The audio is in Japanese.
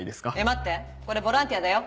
待ってこれボランティアだよ？